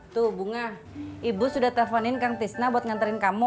tuh bunga ibu sudah telponin kang tisna buat nganterin kamu